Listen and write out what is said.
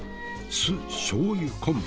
酢しょうゆ昆布。